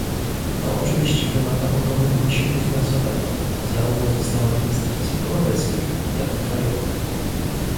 To oczywiście wymaga ogromnego wysiłku finansowego, zarówno ze strony instytucji europejskich, jak i krajowych